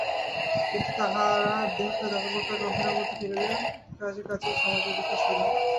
কিন্তু তাঁহারা দেহকে যতপ্রকার বন্ধনের মধ্যে ফেলিলেন, কাজে কাজেই সমাজের বিকাশ হইল না।